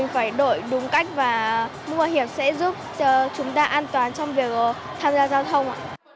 phải đổi đúng cách và mũ bảo hiểm sẽ giúp cho chúng ta an toàn trong việc tham gia giao thông ạ